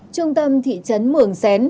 trung tâm thị trấn mường xén